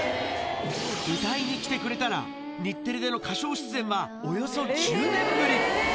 歌いに来てくれたら、日テレでの歌唱出演はおよそ１０年ぶり。